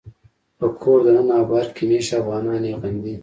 په کور دننه او بهر کې مېشت افغانان یې غندي